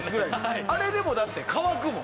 あれでもだって乾くもん。